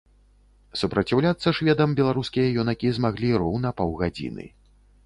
Супраціўляцца шведам беларускія юнакі змаглі роўна паўгадзіны.